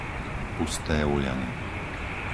Pusté Úľany